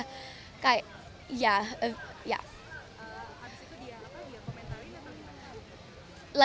habis itu dia apa dia komentarin atau gimana